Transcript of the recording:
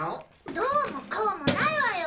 どうもこうもないわよ！